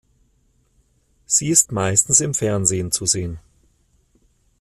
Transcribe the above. Sie ist meistens im Fernsehen zu sehen.